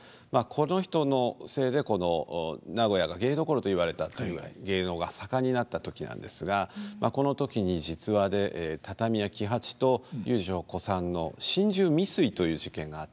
この人のせいでこの名古屋が芸どころと言われたというぐらい芸能が盛んになった時なんですがこの時に実話で畳屋喜八と遊女小さんの心中未遂という事件があったんですね。